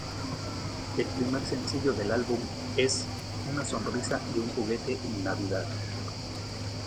El primer sencillo del álbum es "Una sonrisa y un juguete en Navidad".